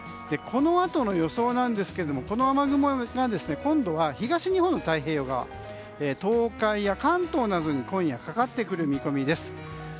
このあとの予想ですがこの雨雲が今度は東日本の太平洋側東海や関東などに今夜かかってくる見込みです。